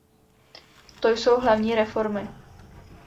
To jsou hlavní reformy.